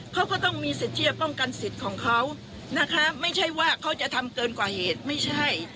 เขาก็ต้องมีสิทธิ์ที่จะป้องกันสิทธิ์ของเขานะคะไม่ใช่ว่าเขาจะทำเกินกว่าเหตุไม่ใช่